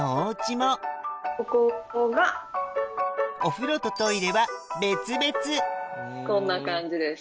お風呂とトイレは別々こんな感じです